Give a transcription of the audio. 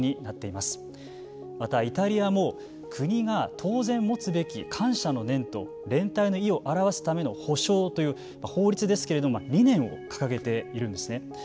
またイタリアも国が当然持つべき感謝の念と連帯の意を表すための補償という法律ですけれども理念を掲げているんですね。